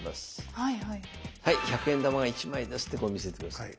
はい１００円玉が１枚ですってこう見せてください。